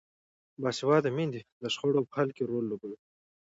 باسواده میندې د شخړو په حل کې رول لوبوي.